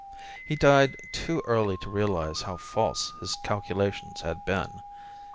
He died too early to realize how false his calculations had been.